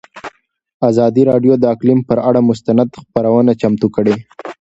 ازادي راډیو د اقلیم پر اړه مستند خپرونه چمتو کړې.